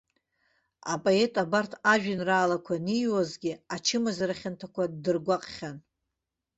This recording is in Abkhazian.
Апоет абарҭ ажәеинраалақәа аниҩуазгьы ачымазара хьанҭақәа ддыргәаҟхьан.